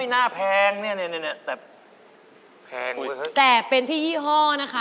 อ้ายตอบผิดค่ะ